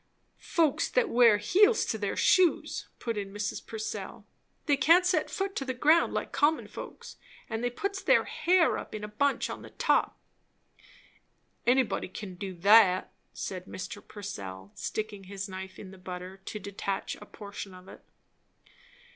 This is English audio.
'" "Folks that wears heels to their shoes," put in Mrs. Purcell. "They can't set foot to the ground, like common folks. And they puts their hair up in a bunch on the top." "Anybody can do that," said Mr. Purcell, sticking his knife in the butter to detach a portion of it.